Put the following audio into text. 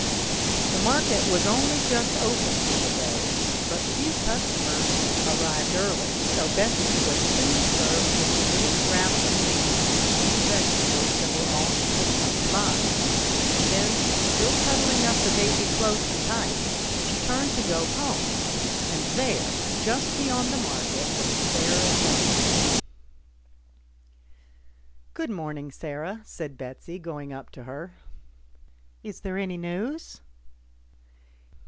The market was only just opened for the day, and but few customers arrived early, so Betsy was soon served with the little scraps of meat and the few vegetables that were all she had come to buy, and then, still cuddling up the baby close and tight, she turned to go home, and there, just beyond the market, was Sarah Jones. " Good morning, Sarah," said Betsy, going up to her. " Is there any news